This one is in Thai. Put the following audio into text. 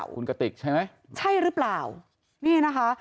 คุณกติกใช่ไหมใช่หรือเปล่านี่นะคะ